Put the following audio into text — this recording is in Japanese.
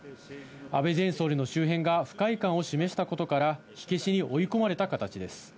安倍前総理の周辺が不快感を示したことから、火消しに追い込まれた形です。